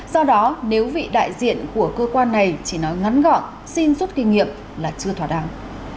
do đó nếu vị đại diện của cơ quan này chỉ nói ngắn gọn xin rút kinh nghiệm là chưa thỏa đáng